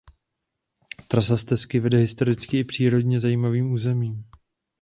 Trasa stezky vede historicky i přírodně zajímavým územím.